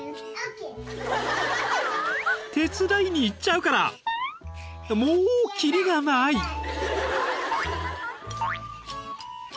［手伝いに行っちゃうからもう切りがない］